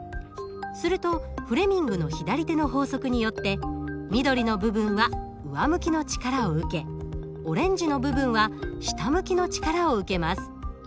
するとフレミングの左手の法則によって緑の部分は上向きの力を受けオレンジの部分は下向きの力を受けます。